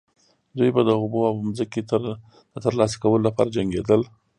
دوی به د اوبو او ځمکې د ترلاسه کولو لپاره جنګیدل.